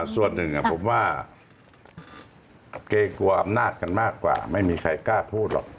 ส่วนหนึ่งผมว่าเกรงกลัวอำนาจกันมากกว่าไม่มีใครกล้าพูดหรอก